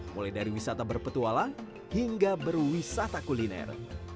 mulai dari wisata berpetualang hingga berwisata kuliner